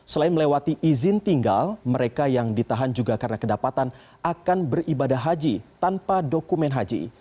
selain melewati izin tinggal mereka yang ditahan juga karena kedapatan akan beribadah haji tanpa dokumen haji